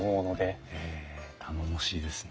頼もしいですね。